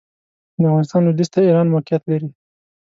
د افغانستان لوېدیځ ته ایران موقعیت لري.